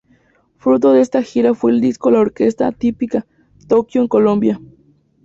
Fruto de esta gira fue el disco "La Orquesta Típica Tokio en Colombia".